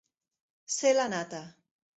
Ser la nata.